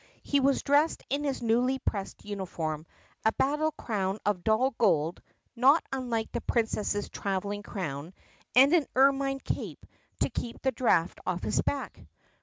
He was dressed in his newly pressed uniform, a battle crown of dull gold (not unlike the Princess's traveling crown), and an ermine cape to keep the draft off his back.